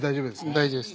大丈夫です。